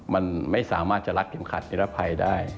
มันไม่สามารถจะรัดเข็มขัดนิรภัยได้